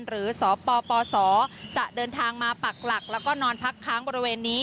หรือสปสจะเดินทางมาปักหลักแล้วก็นอนพักค้างบริเวณนี้